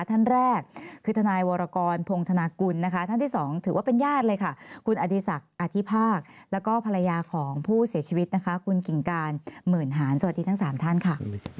ท่านแรกคือทนายวรกรพงธนากุลนะคะท่านที่สองถือว่าเป็นญาติเลยค่ะคุณอดีศักดิ์อธิภาคแล้วก็ภรรยาของผู้เสียชีวิตนะคะคุณกิ่งการหมื่นหารสวัสดีทั้ง๓ท่านค่ะ